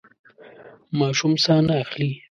ماشوم ساه نه اخلي.